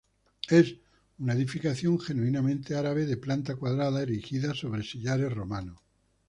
Es una edificación genuinamente árabe de planta cuadrada erigida sobre sillares romanos.